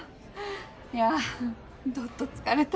いやあどっと疲れた。